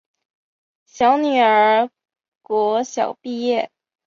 小女儿国小毕业